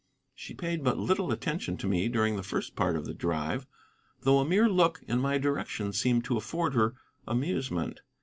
She paid but little attention to me during the first part of the drive, though a mere look in my direction seemed to afford her amusement.